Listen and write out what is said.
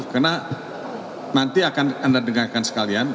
karena nanti akan anda dengarkan sekalian